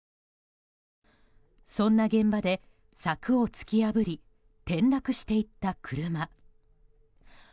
そんな現場で柵を突き破り転落していった車。